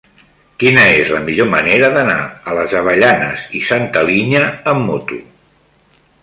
Quina és la millor manera d'anar a les Avellanes i Santa Linya amb moto?